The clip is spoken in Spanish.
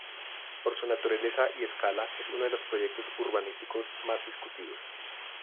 Por su naturaleza y escala es en uno de los proyectos urbanísticos más discutidos.